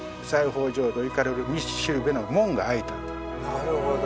なるほど。